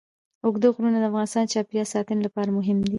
اوږده غرونه د افغانستان د چاپیریال ساتنې لپاره مهم دي.